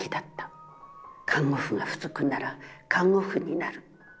看護婦が不足なら看護婦になる。